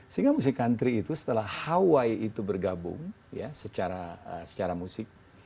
sehingga musik country itu setelah hawaii itu bergabung ya secara musik